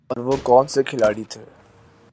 اور وہ کون سے کھلاڑی تھے ۔